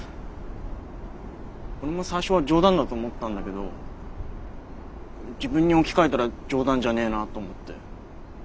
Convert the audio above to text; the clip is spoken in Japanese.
俺も最初は冗談だと思ったんだけど自分に置き換えたら冗談じゃねえなと思って。